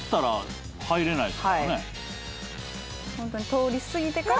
通り過ぎてから。